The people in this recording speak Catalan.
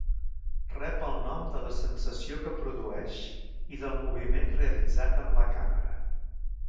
Rep el nom de la sensació que produeix i del moviment realitzat amb la càmera.